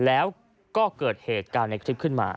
แล้วก็เกิดเหตุการณ์ในคลิปขึ้นมา